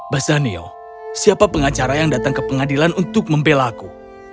bazanio siapa pengacara yang datang ke pengadilan untuk membelaku